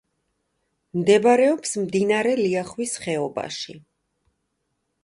მდებარეობს მდინარე ლიახვის ხეობაში.